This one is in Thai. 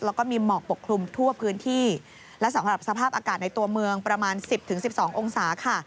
แล้วก็มีหมอกปกคลุมทั่วพื้นที่และสำหรับสภาพอากาศในตัวเมืองประมาณ๑๐๑๒องศาค่ะ